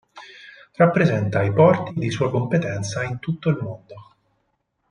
Rappresenta i porti di sua competenza in tutto il mondo.